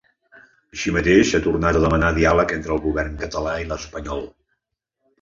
Així mateix, ha tornat a demanar diàleg entre el govern català i l’espanyol.